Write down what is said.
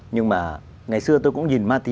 nhưng mà ngày xưa tôi cũng nhìn ma túy